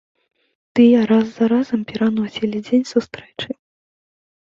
Тыя раз за разам пераносілі дзень сустрэчы.